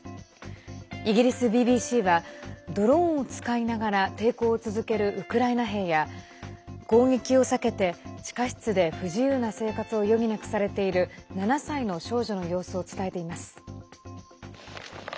イギリスＢＢＣはドローンを使いながら抵抗を続けるウクライナ兵や攻撃を避けて地下室で不自由な生活を余儀なくされている７歳の少女の様子を伝えています。